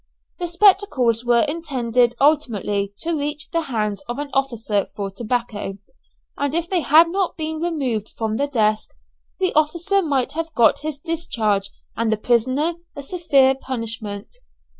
The spectacles were intended ultimately to reach the hands of an officer for tobacco, and if they had not been removed from the desk, the officer might have got his discharge and the prisoner a severe punishment.